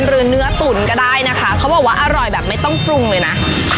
หรือเนื้อตุ๋นก็ได้นะคะเขาบอกว่าอร่อยแบบไม่ต้องปรุงเลยนะ